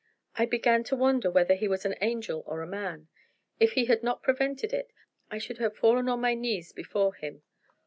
I began to wonder whether he was an angel or a man. If he had not prevented it, I should have fallen on my knees before him.